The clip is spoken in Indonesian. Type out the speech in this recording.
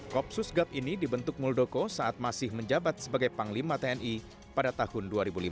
kopsus gap ini dibentuk muldoko saat masih menjabat sebagai panglima tni pada tahun dua ribu lima